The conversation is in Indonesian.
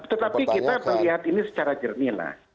tetapi kita melihat ini secara jernih lah